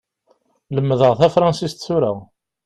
Lemmdeɣ tafransist tura.